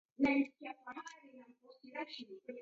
Mbau ranonelo ni ugho msughusiko.